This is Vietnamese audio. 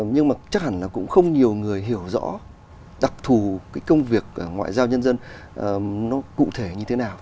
nhưng mà chắc hẳn là cũng không nhiều người hiểu rõ đặc thù cái công việc ngoại giao nhân dân nó cụ thể như thế nào